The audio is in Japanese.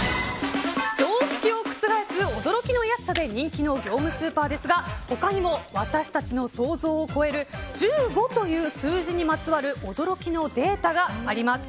常識を覆す驚きの安さで人気の業務スーパーですが他にも私たちの想像を超える１５という数字にまつわる驚きのデータがあります。